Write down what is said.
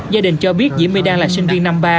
gia đình cho biết diễm my đang là sinh viên năm ba